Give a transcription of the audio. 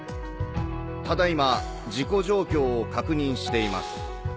ただ今事故状況を確認しています。